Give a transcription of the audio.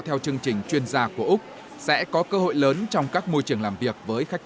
theo chương trình chuyên gia của úc sẽ có cơ hội lớn trong các môi trường làm việc